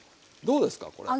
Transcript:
どうですかこれ。